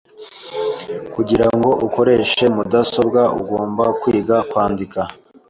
Kugirango ukoreshe mudasobwa, ugomba kwiga kwandika.